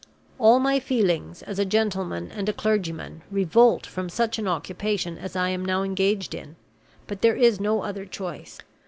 All my feelings, as a gentleman and a clergyman, revolt from such an occupation as I am now engaged in; but there is no other choice.